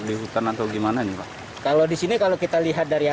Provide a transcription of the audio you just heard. di hutan atau gimana nih pak kalau di sini kalau kita lihat dari